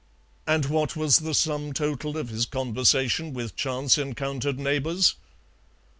And what was the sum total of his conversation with chance encountered neighbours?